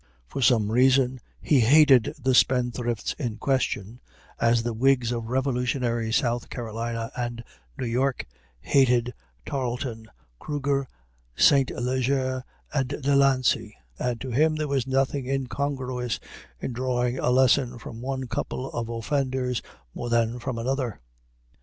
For some reason he hated the spendthrifts in question as the Whigs of Revolutionary South Carolina and New York hated Tarleton, Kruger, Saint Leger, and De Lancey; and to him there was nothing incongruous in drawing a lesson from one couple of offenders more than from another.